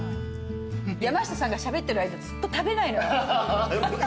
山下さんがしゃべってる間ずっと食べないのよ。